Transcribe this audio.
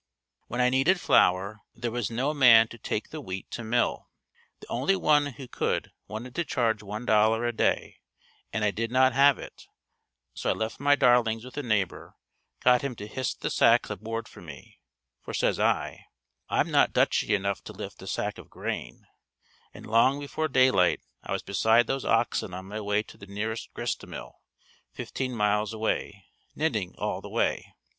When I needed flour, there was no man to take the wheat to mill. The only one who could, wanted to charge $1.00 a day and I did not have it, so I left my darlings with a neighbor, got him to hist the sacks aboard for me, for says I, "I'm not Dutchy enough to lift a sack of grain," and long before daylight I was beside those oxen on my way to the nearest grist mill, fifteen miles away, knitting all the way.